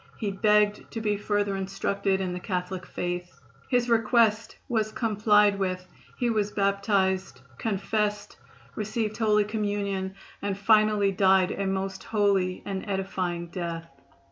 He begged to be further instructed in the Catholic faith. His request was complied with, he was baptized, confessed, received Holy Communion and finally died a most holy and edifying death.